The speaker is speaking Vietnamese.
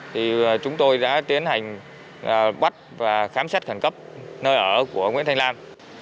thì chúng tôi đã tiến hành bắt và khám xét khẩn cấp nơi ở của nguyễn thanh lan